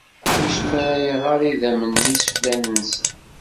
Ur smarayeɣ ara idammen n iseflen-nsen.